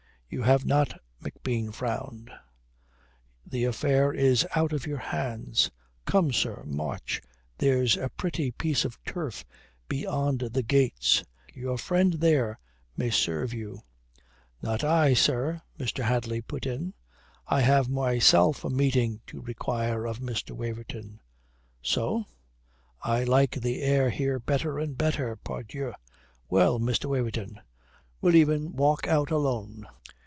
"You have not," McBean frowned. "The affair is out of your hands. Come, sir, march. There's a pretty piece of turf beyond the gates. Your friend there may serve you." "Not I, sir," Mr. Hadley put in. "I have myself a meeting to require of Mr. Waverton." "So? I like the air here better and better, pardieu. Well, Mr. Waverton, we'll e'en walk out alone."